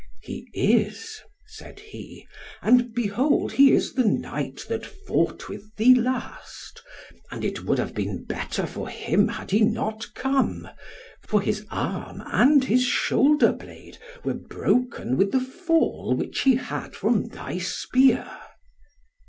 "He is," said he, "and behold he is the knight that fought with thee last; and it would have been better for him had he not come, for his arm and his shoulder blade were broken with the fall which he had from thy spear."